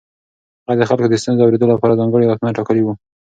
هغه د خلکو د ستونزو اورېدو لپاره ځانګړي وختونه ټاکلي وو.